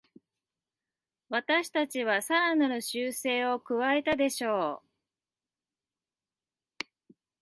私たちはさらなる修正を加えたでしょう